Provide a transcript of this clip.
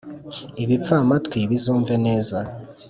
ibipfamatwi bizumve neza